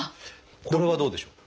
これはどうでしょう？